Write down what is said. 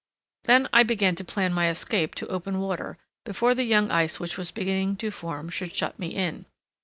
Then I began to plan my escape to open water before the young ice which was beginning to form should shut me in.